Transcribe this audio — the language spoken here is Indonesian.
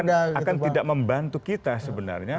nah itu akan tidak membantu kita sebenarnya